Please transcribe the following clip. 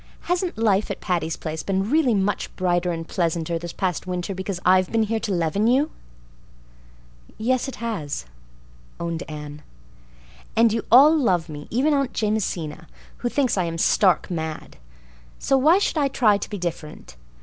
Hasn't life at Patty's Place been really much brighter and pleasanter this past winter because I've been here to leaven you?" "Yes, it has," owned Anne. "And you all love me—even Aunt Jamesina, who thinks I'm stark mad. So why should I try to be different?